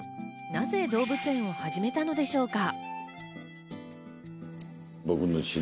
なぜ動物園を始めたのでしょうか？